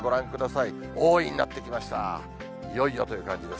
いよいよという感じです。